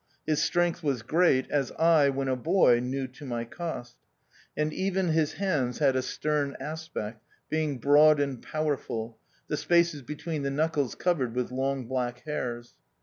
His strength was great, as I, when a boy, knew to my cost ; and even 54 THE OUTCAST. his hands had a stern aspect, being broad and powerful, the spaces between the knuckles covered with long, black hairs.